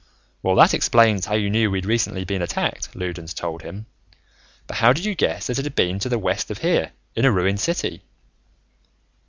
"Well, that explains how you knew that we'd recently been attacked," Loudons told him. "But how did you guess that it had been to the west of here, in a ruined city?"